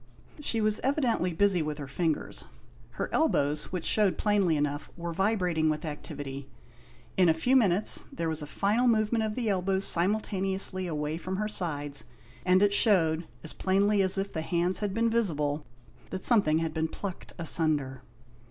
She was evidently busy with her fingers ; her elbows, which shewed plainly enough, were vibrating with activity. In a few minutes there was a final movement of the elbows simultaneously away from her sides, and it shewed, as plainly as if the hands had been visible, that something had been plucked asunder.